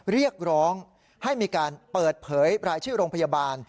เรียกร้องให้มีการเปิดเผยรายชื่อโรงพยาบาล